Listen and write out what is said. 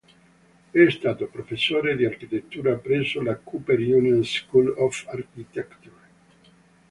È stato professore di Architettura presso la Cooper Union School of Architecture.